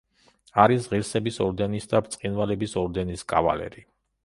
არის ღირსების ორდენის და ბრწყინვალების ორდენის კავალერი.